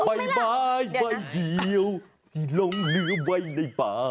ใบไม้ใบเดียวที่หลงเหลือไว้ในป่า